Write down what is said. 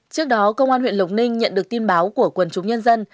trước đó công an huyện lộc ninh nhận được tin báo của quần chúng nhân dân